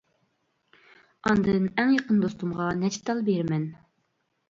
ئاندىن ئەڭ يېقىن دوستۇمغا نەچچە تال بېرىمەن.